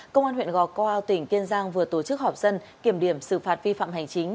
công an huyện gò cô tỉnh kiên giang vừa tổ chức họp dân kiểm điểm xử phạt vi phạm hành chính